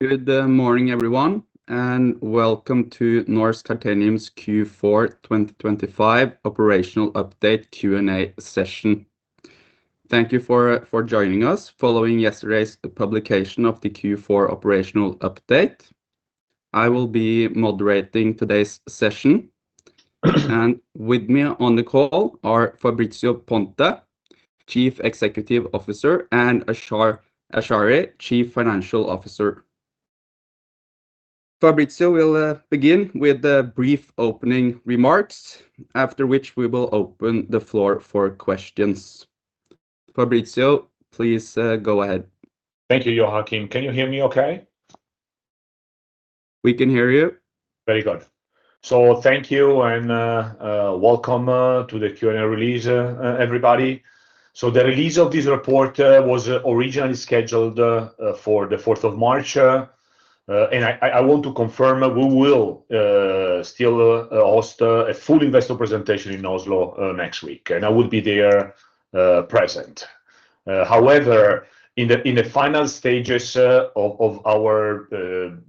Good morning, everyone, welcome to Norsk Titanium's Q4 2025 operational update Q&A session. Thank you for joining us following yesterday's publication of the Q4 operational update. I will be moderating today's session. With me on the call are Fabrizio Ponte, Chief Executive Officer, and Ashar Ashary, Chief Financial Officer. Fabrizio will begin with the brief opening remarks, after which we will open the floor for questions. Fabrizio, please go ahead. Thank you, Joachim. Can you hear me okay? We can hear you. Very good. Thank you, and welcome to the Q&A release, everybody. The release of this report was originally scheduled for the fourth of March, and I want to confirm that we will still host a full investor presentation in Oslo next week, and I will be there present. However, in the final stages of our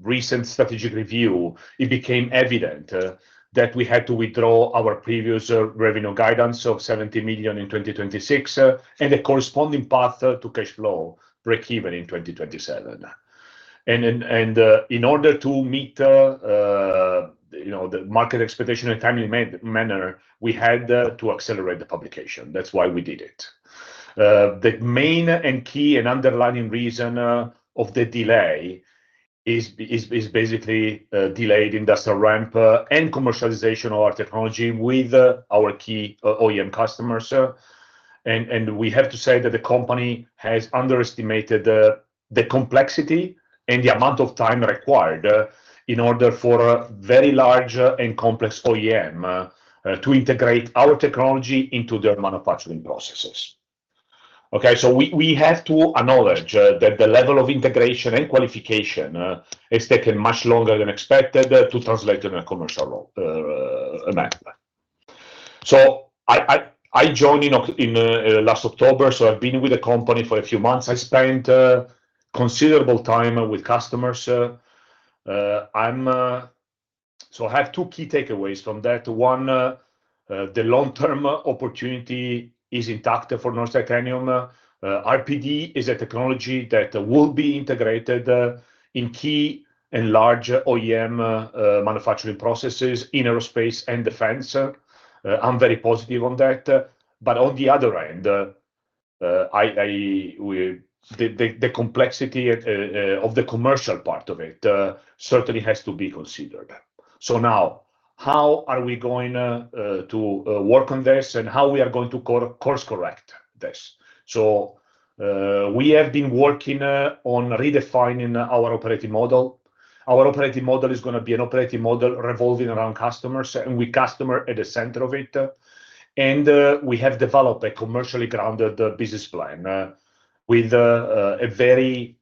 recent strategic review, it became evident that we had to withdraw our previous revenue guidance of $70 million in 2026, and the corresponding path to cash flow breakeven in 2027. In order to meet, you know, the market expectation in a timely manner, we had to accelerate the publication. That's why we did it. The main and key and underlying reason of the delay is basically delayed industrial ramp and commercialization of our technology with our key OEM customers. We have to say that the company has underestimated the complexity and the amount of time required in order for a very large and complex OEM to integrate our technology into their manufacturing processes. We have to acknowledge that the level of integration and qualification has taken much longer than expected to translate in a commercial manner. I joined in last October, so I've been with the company for a few months. I spent considerable time with customers. I have 2 key takeaways from that. One, the long-term opportunity is intact for Norsk Titanium. RPD is a technology that will be integrated in key and large OEM manufacturing processes in aerospace and defense. I'm very positive on that. On the other end, I, the complexity of the commercial part of it certainly has to be considered. Now, how are we going to work on this and how we are going to course-correct this? We have been working on redefining our operating model. Our operating model is gonna be an operating model revolving around customers, and with customer at the center of it. We have developed a commercially grounded business plan with a very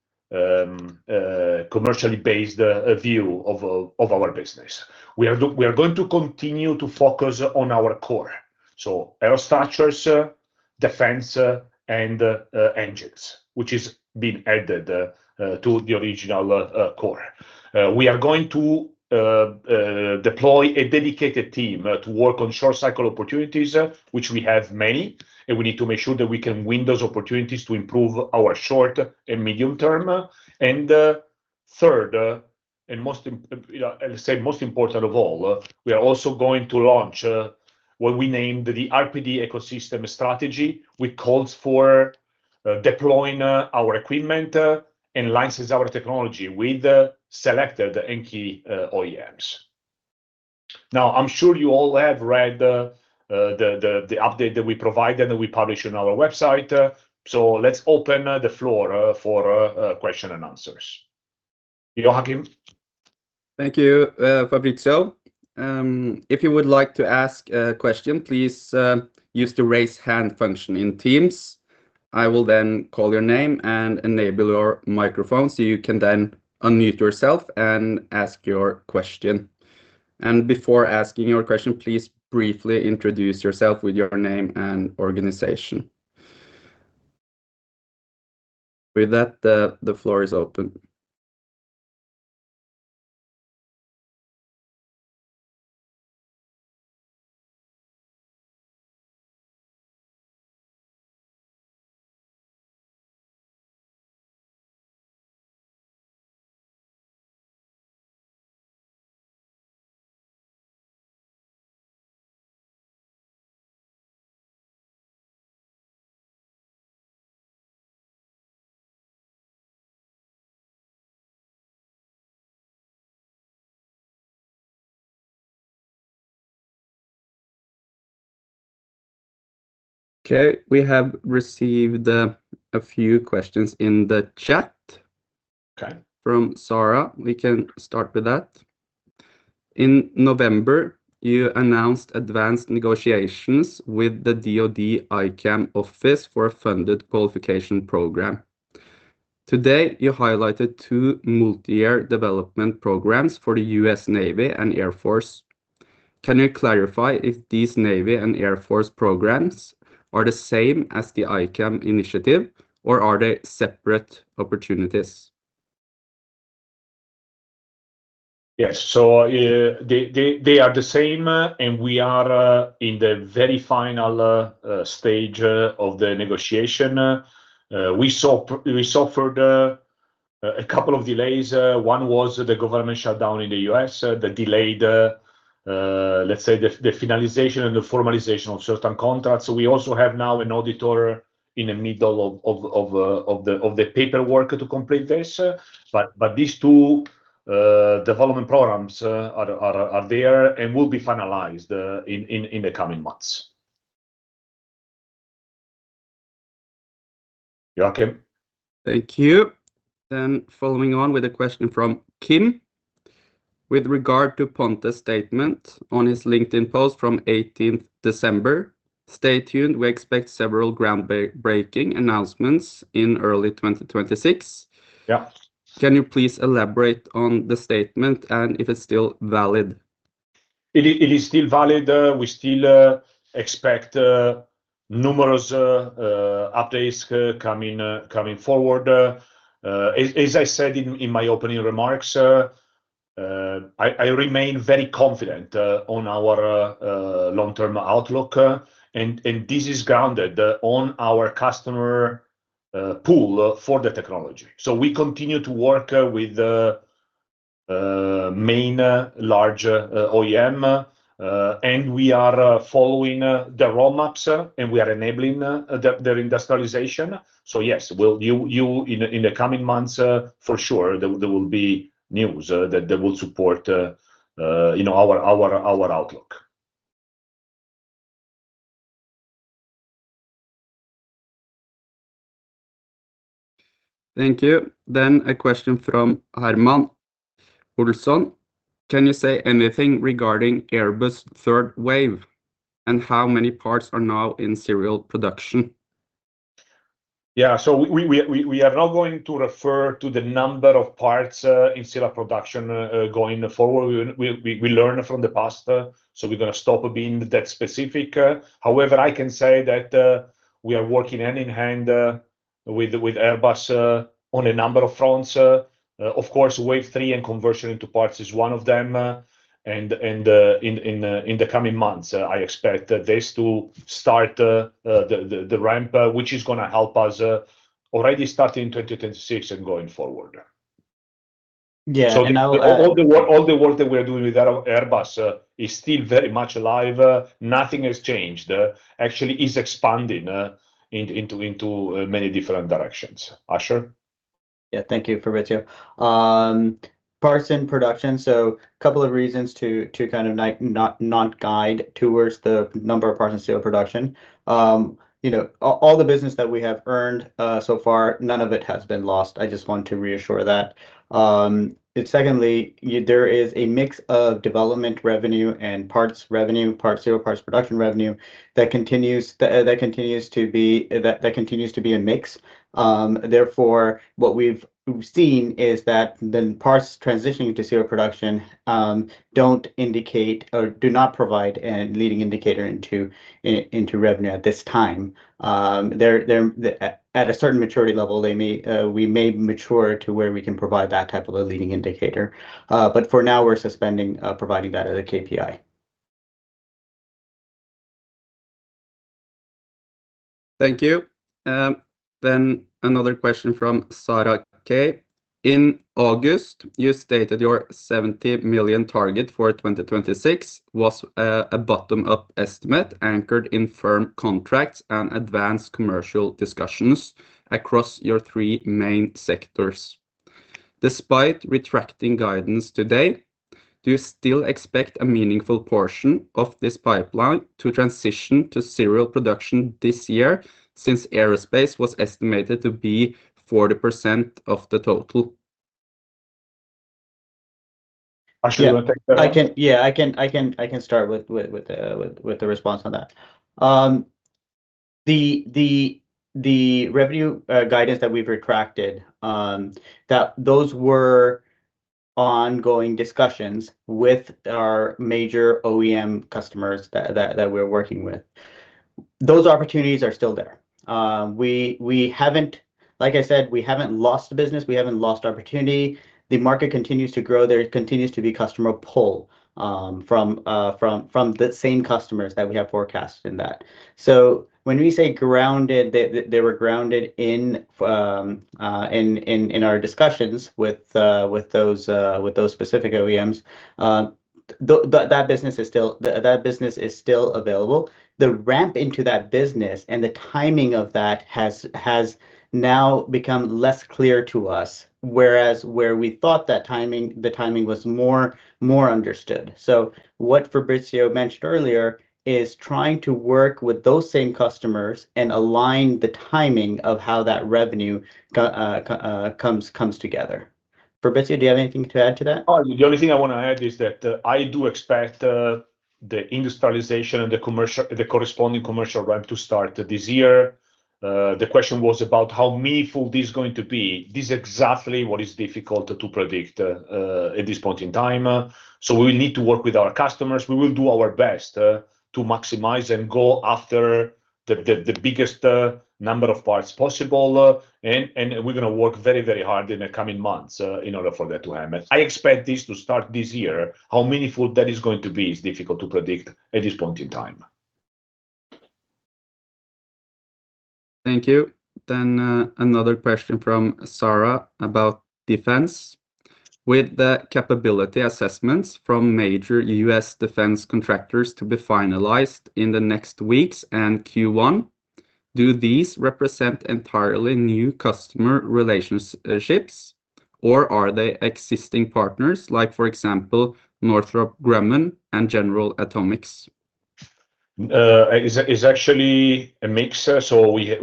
commercially based view of our business. We are going to continue to focus on our core, so aerostructures, defense, and engines, which has been added to the original core. We are going to deploy a dedicated team to work on short-cycle opportunities, which we have many, and we need to make sure that we can win those opportunities to improve our short and medium term. Third, and most important of all, we are also going to launch what we named the RPD Ecosystem Strategy, which calls for deploying our equipment and licenses our technology with selected and key OEMs. I'm sure you all have read the update that we provided and that we published on our website. Let's open the floor for question and answers. Joachim? Thank you, Fabrizio. If you would like to ask a question, please use the raise hand function in Teams. I will then call your name and enable your microphone, so you can then unmute yourself and ask your question. Before asking your question, please briefly introduce yourself with your name and organization. With that, the floor is open. Okay, we have received a few questions in the chat- Okay. From Sarah. We can start with that. "In November, you announced advanced negotiations with the DoD ICAM office for a funded qualification program. Today, you highlighted two multi-year development programs for the U.S. Navy and Air Force. Can you clarify if these Navy and Air Force programs are the same as the ICAM initiative, or are they separate opportunities? Yes. They are the same, and we are in the very final stage of the negotiation. We suffered a couple of delays. One was the government shutdown in the U.S. that delayed, let's say, the finalization and the formalization of certain contracts. We also have now an auditor in the middle of the paperwork to complete this. These two development programs are there and will be finalized in the coming months. Joakim? Thank you. Following on with a question from Kim: With regard to Ponte's statement on his LinkedIn post from 18th December, "Stay tuned, we expect several groundbreaking announcements in early 2026. Yeah. Can you please elaborate on the statement and if it's still valid? It is still valid. We still expect numerous updates coming forward. As I said in my opening remarks, I remain very confident on our long-term outlook, and this is grounded on our customer pool for the technology. We continue to work with the main larger OEM, and we are following the roadmaps, and we are enabling their industrialization. Yes, in the coming months, for sure, there will be news that they will support, you know, our outlook. Thank you. A question from Herman Olson: Can you say anything regarding Airbus third wave, and how many parts are now in serial production? Yeah. We are not going to refer to the number of parts in serial production going forward. We learn from the past. We're going to stop being that specific. However, I can say that we are working hand in hand with Airbus on a number of fronts. Of course, wave three and conversion into parts is one of them, and in the coming months, I expect this to start the ramp, which is going to help us already starting in 2026 and going forward. Yeah, I. All the work that we're doing with Airbus is still very much alive. Nothing has changed. Actually, it's expanding into many different directions. Ashar? Yeah. Thank you, Fabrizio. Parts and production. A couple of reasons to kind of like not guide towards the number of parts in serial production. You know, all the business that we have earned so far, none of it has been lost. I just want to reassure that. Secondly, there is a mix of development revenue and parts revenue, parts production revenue that continues to be a mix. Therefore, what we've seen is that the parts transitioning to serial production don't indicate or do not provide a leading indicator into revenue at this time. They're at a certain maturity level, they may, we may mature to where we can provide that type of a leading indicator. For now, we're suspending providing that as a KPI. Thank you. Another question from Sarah K: In August, you stated your $70 million target for 2026 was a bottom-up estimate anchored in firm contracts and advanced commercial discussions across your 3 main sectors. Despite retracting guidance today, do you still expect a meaningful portion of this pipeline to transition to serial production this year since aerospace was estimated to be 40% of the total? Ashar, do you want to take that? Yeah, I can start with the response on that. The revenue guidance that we've retracted, those were ongoing discussions with our major OEM customers that we're working with. Those opportunities are still there. We haven't, like I said, we haven't lost the business. We haven't lost opportunity. The market continues to grow. There continues to be customer pull from the same customers that we have forecasted in that. When we say grounded, they were grounded in our discussions with those specific OEMs. That business is still available. The ramp into that business and the timing of that has now become less clear to us, whereas where we thought that timing, the timing was more understood. What Fabrizio mentioned earlier is trying to work with those same customers and align the timing of how that revenue comes together. Fabrizio, do you have anything to add to that? The only thing I want to add is that I do expect the industrialization and the commercial- the corresponding commercial ramp to start this year. The question was about how meaningful this is going to be. This is exactly what is difficult to predict at this point in time. We will need to work with our customers. We will do our best to maximize and go after the biggest number of parts possible. We're going to work very, very hard in the coming months in order for that to happen. I expect this to start this year. How meaningful that is going to be is difficult to predict at this point in time. Thank you. Another question from Sarah about defense. With the capability assessments from major U.S. defense contractors to be finalized in the next weeks and Q1, do these represent entirely new customer relationships, or are they existing partners like, for example, Northrop Grumman and General Atomics? It's actually a mix. We've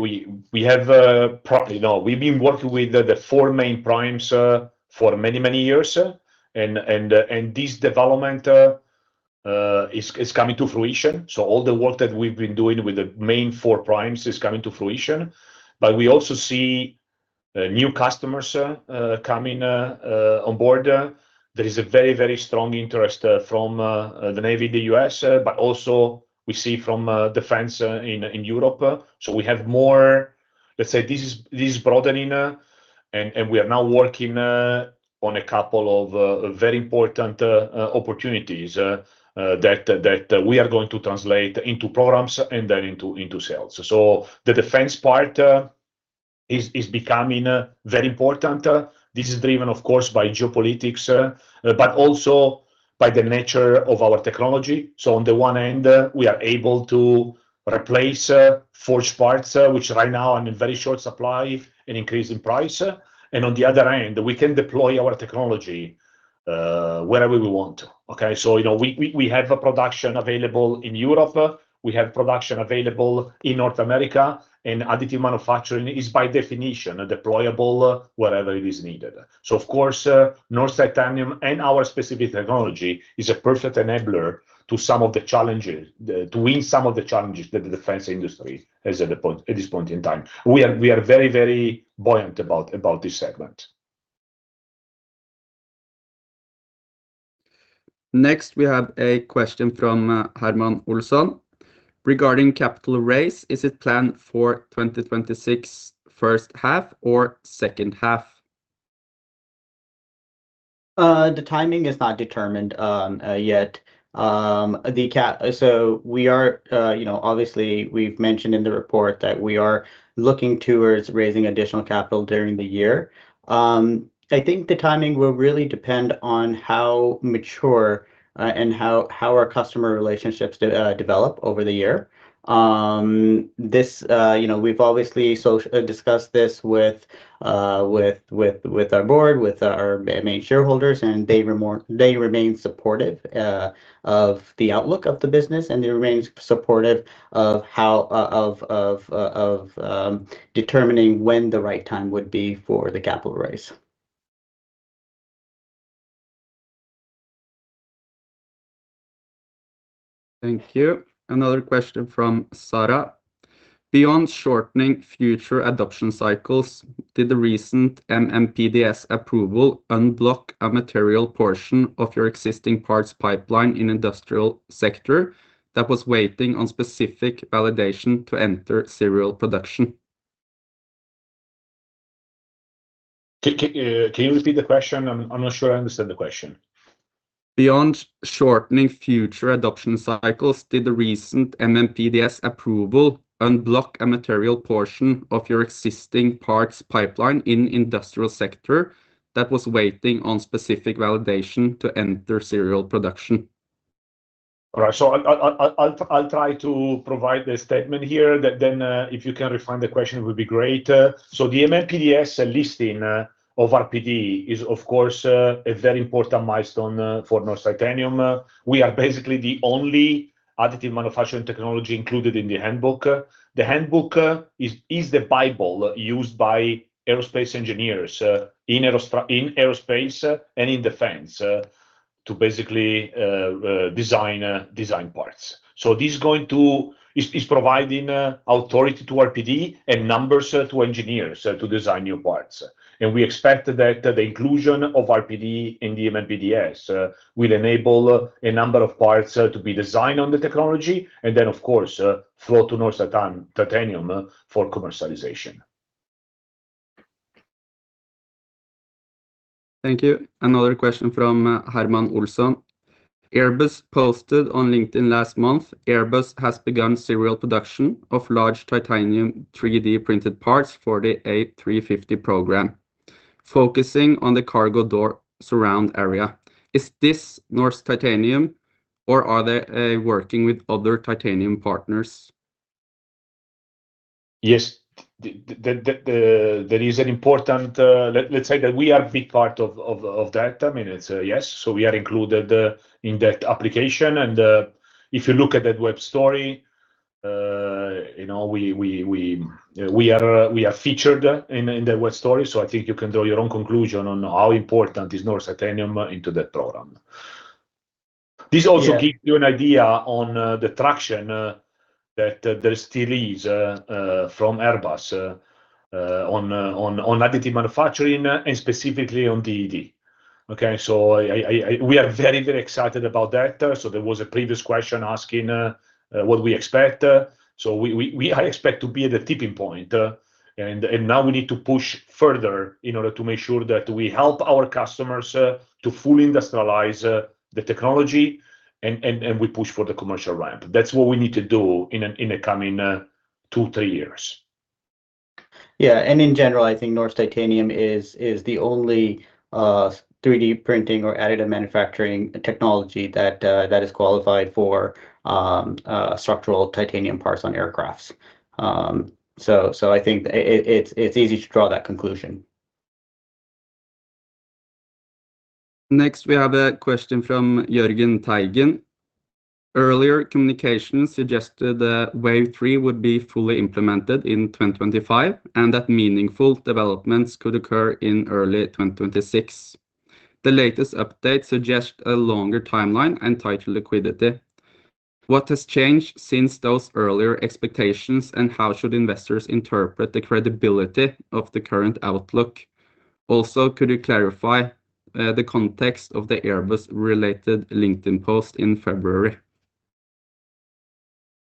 been working with the four main primes for many, many years. This development is coming to fruition. All the work that we've been doing with the main four primes is coming to fruition, but we also see new customers coming on board. There is a very strong interest from the Navy, the U.S., but also we see from defense in Europe. We have more, let's say this is broadening, and we are now working on a couple of very important opportunities that we are going to translate into programs and then into sales. The defense part is becoming very important. This is driven, of course, by geopolitics, but also by the nature of our technology. On the one end, we are able to replace forged parts, which right now are in very short supply and increase in price. On the other end, we can deploy our technology wherever we want, okay? You know, we have a production available in Europe, we have production available in North America, and additive manufacturing is by definition deployable wherever it is needed. Of course, Norsk Titanium and our specific technology is a perfect enabler to some of the challenges, to win some of the challenges that the defense industry is at the point, at this point in time. We are very buoyant about this segment. Next, we have a question from Herman Olson. Regarding capital raise, is it planned for 2026 first half or second half? The timing is not determined yet. So we are, you know, obviously, we've mentioned in the report that we are looking towards raising additional capital during the year. I think the timing will really depend on how mature and how our customer relationships develop over the year. This, you know, we've obviously so, discussed this with our board, with our main shareholders, and they remain supportive of the outlook of the business, and they remain supportive of how determining when the right time would be for the capital raise. Thank you. Another question from Sarah: Beyond shortening future adoption cycles, did the recent MMPDS approval unblock a material portion of your existing parts pipeline in industrial sector that was waiting on specific validation to enter serial production? Can you repeat the question? I'm not sure I understand the question. Beyond shortening future adoption cycles, did the recent MMPDS approval unblock a material portion of your existing parts pipeline in industrial sector that was waiting on specific validation to enter serial production? All right. I'll try to provide the statement here that if you can refine the question, it would be great. The MMPDS listing of RPD is, of course, a very important milestone for Norsk Titanium. We are basically the only additive manufacturing technology included in the handbook. The handbook is the Bible used by aerospace engineers in aerospace and in defense to basically design parts. This is providing authority to RPD and numbers to engineers to design new parts. We expect that the inclusion of RPD in the MMPDS will enable a number of parts to be designed on the technology and then, of course, flow to Norsk Titanium for commercialization. Thank you. Another question from Herman Olson. Airbus posted on LinkedIn last month, Airbus has begun serial production of large titanium 3D-printed parts for the A350 program, focusing on the cargo door surround area. Is this Norsk Titanium, or are they working with other titanium partners? Yes. There is an important. Let's say that we are a big part of that. I mean, it's a yes. We are included in that application, and if you look at that web story, you know, we are featured in the web story, so I think you can draw your own conclusion on how important is Norsk Titanium into that program. This also gives you an idea on the traction that there still is from Airbus on additive manufacturing and specifically on DED. Okay, we are very, very excited about that. There was a previous question asking what we expect. I expect to be at a tipping point, and now we need to push further in order to make sure that we help our customers, to fully industrialize, the technology, and we push for the commercial ramp. That's what we need to do in the coming, two, three years. In general, I think Norsk Titanium is the only 3D printing or additive manufacturing technology that is qualified for structural titanium parts on aircraft. I think it's easy to draw that conclusion. We have a question from Jörgen Teigen. Earlier communications suggested that Wave three would be fully implemented in 2025, and that meaningful developments could occur in early 2026. The latest update suggests a longer timeline and tighter liquidity. What has changed since those earlier expectations, and how should investors interpret the credibility of the current outlook? Could you clarify the context of the Airbus-related LinkedIn post in February?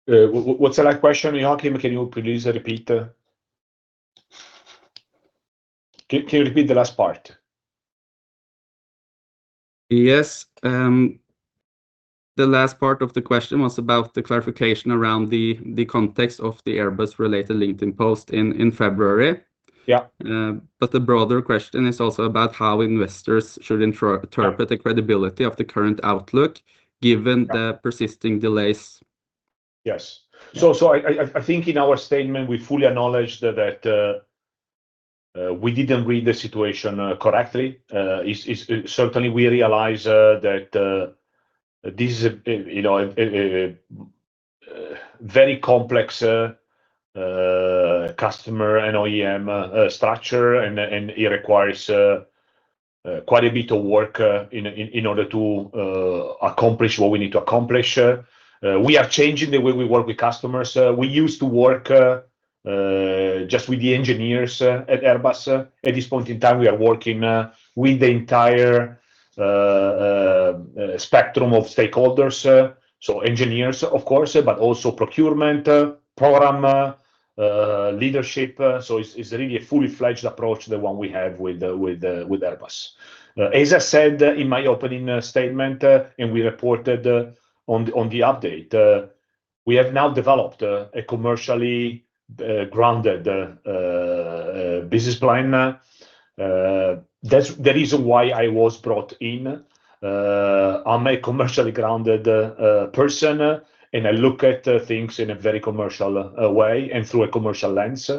What's the last question, Jörgen? Can you please repeat the last part? Yes. The last part of the question was about the clarification around the context of the Airbus-related LinkedIn post in February. Yeah. Bu the broader question is also about how investors should interpret the credibility of the current outlook, given the persisting delays. Yes. I think in our statement, we fully acknowledge that we didn't read the situation correctly. It's certainly we realize that this is a, you know, a very complex customer and OEM structure, and it requires quite a bit of work in order to accomplish what we need to accomplish. We are changing the way we work with customers. We used to work just with the engineers at Airbus. At this point in time, we are working with the entire spectrum of stakeholders, so engineers, of course, but also procurement, program leadership. It's really a fully-fledged approach, the one we have with Airbus. As I said in my opening statement, we reported on the update, we have now developed a commercially grounded business plan. That's the reason why I was brought in. I'm a commercially grounded person, and I look at things in a very commercial way and through a commercial lens.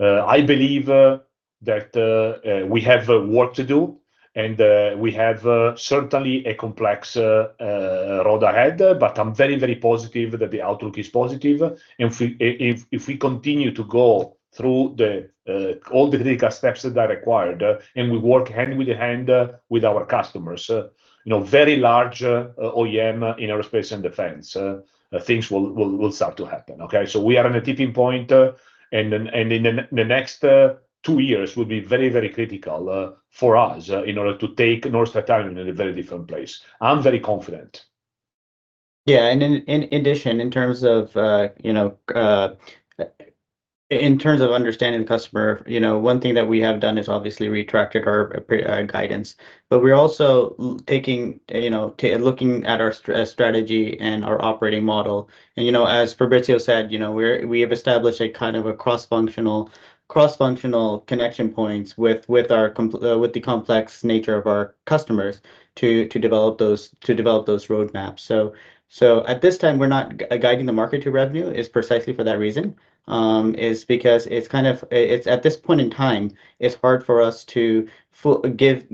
I believe that we have work to do, and we have certainly a complex road ahead. I'm very, very positive that the outlook is positive, and if we, if we continue to go through all the critical steps that are required, and we work hand in hand with our customers, you know, very large OEM in aerospace and defense, things will start to happen, okay? We are on a tipping point, and the next 2 years will be very, very critical for us in order to take Norsk Titanium in a very different place. I'm very confident. In addition, in terms of, you know, in terms of understanding the customer, you know, one thing that we have done is obviously retracted our guidance, but we're also taking, you know, looking at our strategy and our operating model. You know, as Fabrizio said, you know, we have established a kind of a cross-functional, cross-functional connection points with the complex nature of our customers to develop those, to develop those roadmaps. At this time, we're not guiding the market to revenue is precisely for that reason. Because it's kind of, it's at this point in time, it's hard for us to give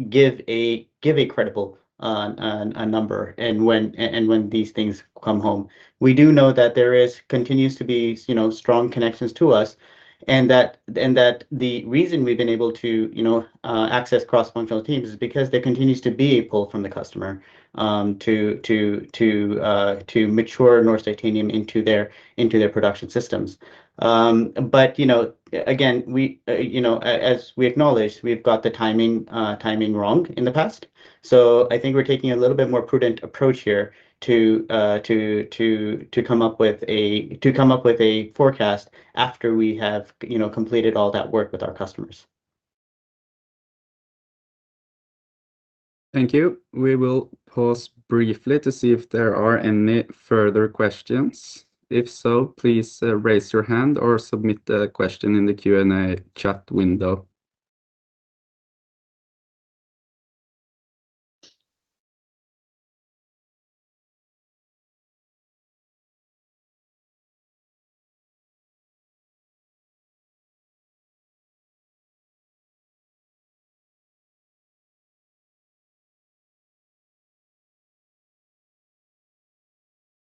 a credible number, and when these things come home. We do know that there continues to be, you know, strong connections to us, and that, and that the reason we've been able to, you know, access cross-functional teams is because there continues to be a pull from the customer, to mature Norsk Titanium into their, into their production systems. You know, again, we, you know, as we acknowledged, we've got the timing wrong in the past. I think we're taking a little bit more prudent approach here to come up with a forecast after we have, you know, completed all that work with our customers. Thank you. We will pause briefly to see if there are any further questions. If so, please raise your hand or submit a question in the Q&A chat window.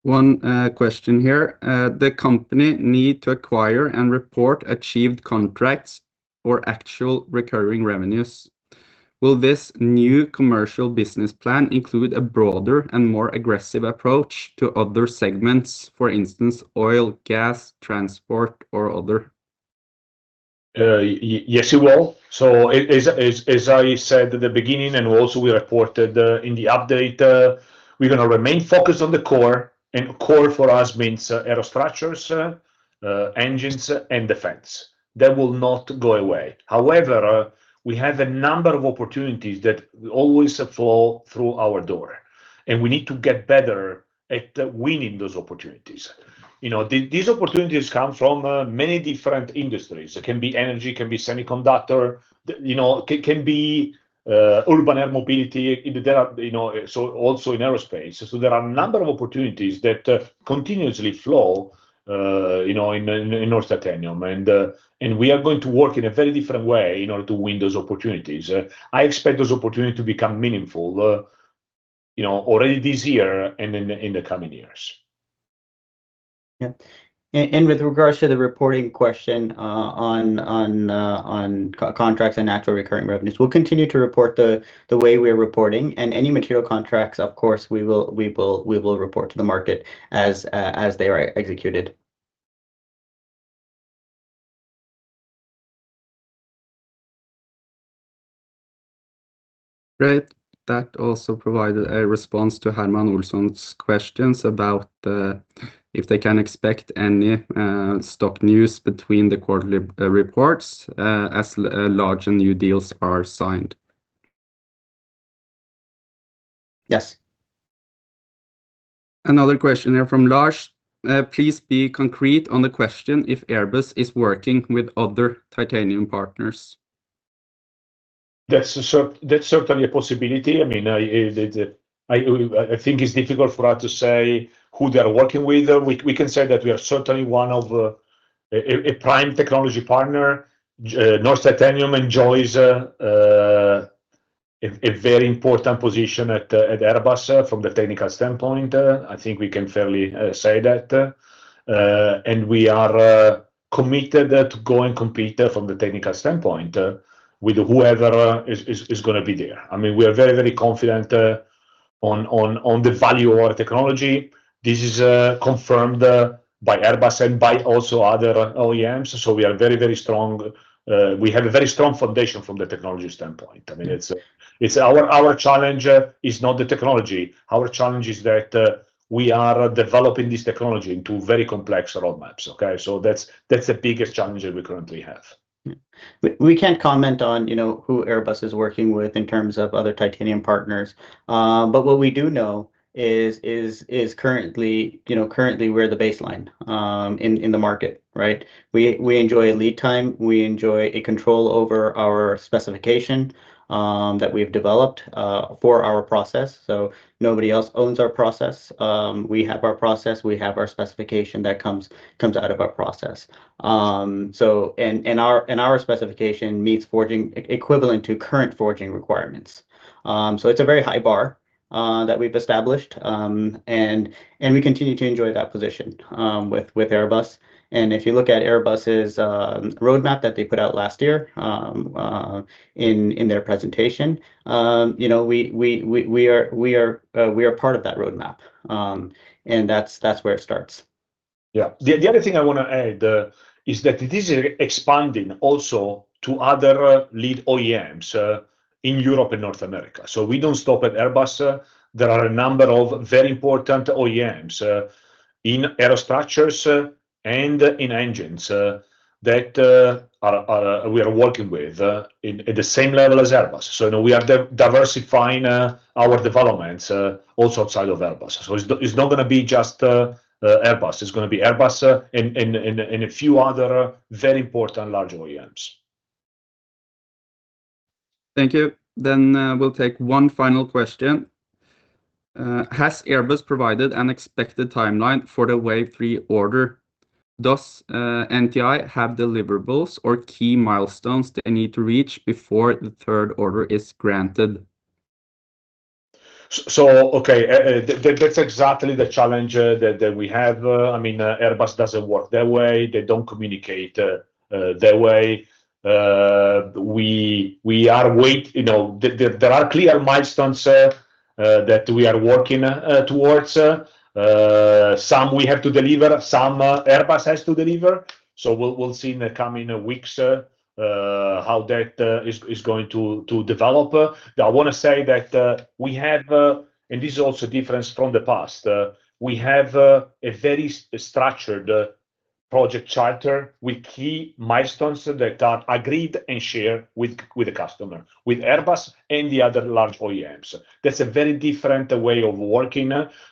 One question here. The company need to acquire and report achieved contracts or actual recurring revenues. Will this new commercial business plan include a broader and more aggressive approach to other segments, for instance, oil, gas, transport, or other? Yes, it will. As I said at the beginning, and also we reported in the update, we're gonna remain focused on the core, and core for us means aerostructures, engines, and defense. That will not go away. However, we have a number of opportunities that always fall through our door, and we need to get better at winning those opportunities. You know, these opportunities come from many different industries. It can be energy, it can be semiconductor, you know, it can be urban air mobility, there are... You know, also in aerospace. There are a number of opportunities that continuously flow, you know, in Norsk Titanium. We are going to work in a very different way in order to win those opportunities. I expect those opportunities to become meaningful, you know, already this year and in the, in the coming years. Yeah. With regards to the reporting question, on contracts and actual recurring revenues, we'll continue to report the way we're reporting. Any material contracts, of course, we will report to the market as they are executed. Great. That also provided a response to Herman Olson's questions about if they can expect any stock news between the quarterly reports as large and new deals are signed. Yes. Another question here from Lars. Please be concrete on the question if Airbus is working with other titanium partners. That's certainly a possibility. I mean, I think it's difficult for us to say who they are working with. We can say that we are certainly one of a prime technology partner. Norsk Titanium enjoys a very important position at Airbus from the technical standpoint. I think we can fairly say that. We are committed to go and compete from the technical standpoint with whoever is gonna be there. I mean, we are very confident on the value of our technology. This is confirmed by Airbus and by also other OEMs. We are very strong. We have a very strong foundation from the technology standpoint. I mean, it's our challenge, is not the technology. Our challenge is that, we are developing this technology into very complex roadmaps, okay. That's the biggest challenge that we currently have. We can't comment on, you know, who Airbus is working with in terms of other titanium partners. What we do know is currently, you know, currently we're the baseline in the market, right? We enjoy lead time, we enjoy a control over our specification that we've developed for our process. Nobody else owns our process. We have our process, we have our specification that comes out of our process. And our specification meets forging equivalent to current forging requirements. It's a very high bar that we've established. And we continue to enjoy that position with Airbus. If you look at Airbus's roadmap that they put out last year, in their presentation, you know, we are part of that roadmap. That's, that's where it starts. Yeah. The other thing I want to add is that it is expanding also to other lead OEMs in Europe and North America. We don't stop at Airbus. There are a number of very important OEMs in aerostructures and in engines that are we are working with at the same level as Airbus. Now we are diversifying our developments also outside of Airbus. It's not gonna be just Airbus. It's gonna be Airbus and a few other very important large OEMs. Thank you. We'll take one final question. Has Airbus provided an expected timeline for the wave three order? Does NTI have deliverables or key milestones they need to reach before the third order is granted? Okay, that's exactly the challenge that we have. I mean, Airbus doesn't work that way. They don't communicate that way. We are wait- You know, there are clear milestones that we are working towards. Some we have to deliver, some Airbus has to deliver. We'll see in the coming weeks how that is going to develop. I wanna say that we have. This is also different from the past. We have a very structured project charter with key milestones that are agreed and shared with the customer, with Airbus and the other large OEMs. That's a very different way of working.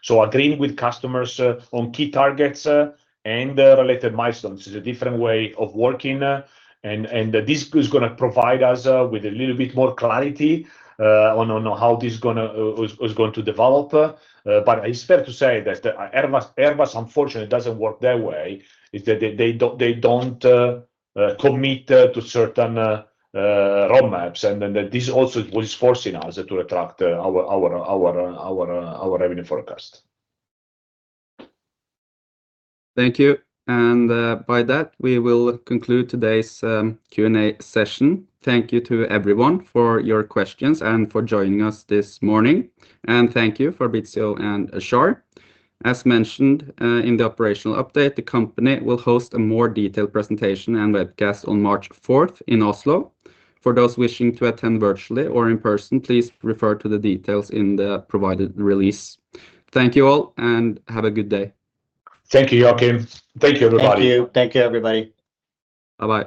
Agreeing with customers, on key targets, and related milestones is a different way of working, and this is gonna provide us with a little bit more clarity, on how this is going to develop. It's fair to say that Airbus unfortunately doesn't work that way, is that they don't commit to certain roadmaps. This also what is forcing us to retract our revenue forecast. Thank you. By that, we will conclude today's Q&A session. Thank you to everyone for your questions and for joining us this morning. Thank you Fabrizio and Ashar. As mentioned, in the operational update, the company will host a more detailed presentation and webcast on March fourth in Oslo. For those wishing to attend virtually or in person, please refer to the details in the provided release. Thank you all. Have a good day. Thank you, Joachim. Thank you, everybody. Thank you. Thank you, everybody. Bye-bye.